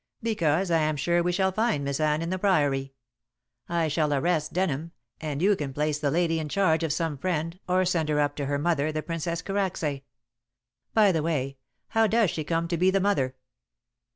"Because I am sure we shall find Miss Anne in the Priory. I shall arrest Denham, and you can place the lady in charge of some friend, or send her up to her mother, the Princess Karacsay. By the way, how does she come to be the mother?"